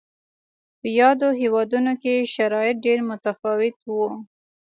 په یادو هېوادونو کې شرایط ډېر متفاوت و.